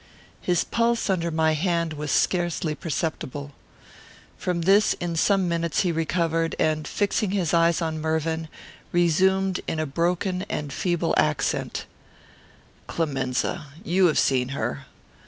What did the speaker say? His pulse under my hand was scarcely perceptible. From this in some minutes he recovered, and, fixing his eyes on Mervyn, resumed, in a broken and feeble accent: "Clemenza! You have seen her.